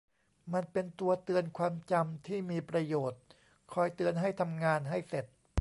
มันเป็นตัวเตือนความจำที่มีประโยชน์ คอยเตือนให้ทำงานให้เสร็จ